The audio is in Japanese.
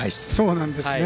そうなんですよね。